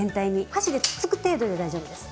箸でつっつく程度で大丈夫です。